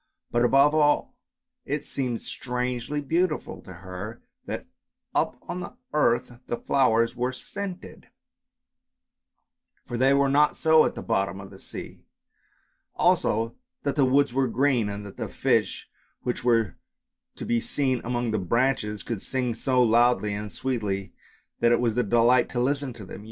But above all it seemed strangely beautiful to her that up on the earth the flowers were scented, for they were not so at the bottom of the sea; also that the woods were green, and that the fish which were to be seen among the branches could sing so loudly and sweetly that it was a delight to listen to them.